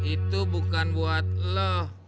itu bukan buat lo